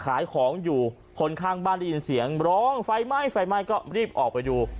ขายของอยู่คนข้างบ้านได้ยินเสียงร้องไฟไหม้ไฟไหม้ก็รีบออกไปดู